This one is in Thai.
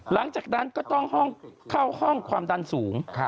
หลังจากนั้นก็ต้องห้องเข้าห้องความดันสูง